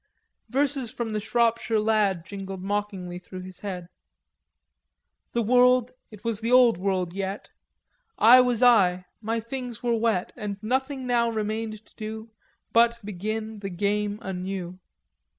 Verses from the "Shropshire Lad" jingled mockingly through his head: "The world, it was the old world yet, I was I, my things were wet, And nothing now remained to do But begin the game anew."